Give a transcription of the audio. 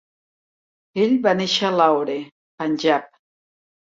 Ell va néixer a Lahore, Panjab.